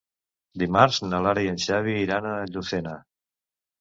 Dimarts na Lara i en Xavi iran a Llucena.